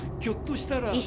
ひょっとしたら。